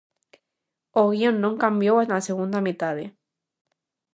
O guión non cambiou na segunda metade.